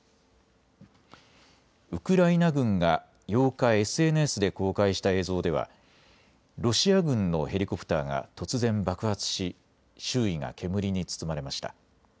ウクライナ軍が８日、ＳＮＳで公開した映像ではロシア軍のヘリコプターが突然爆発し、周囲が煙に包まれました。